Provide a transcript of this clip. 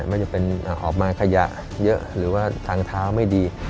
ไม่จะเป็นออกมาขยะเยอะหรือว่าทางเท้าไม่ดี